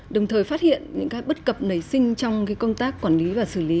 đồng thời phát hiện những bất cập nảy sinh trong công tác quản lý và xử lý